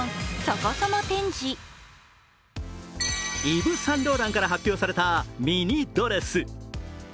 イヴ・サン・ローランから発表されたミニドレス。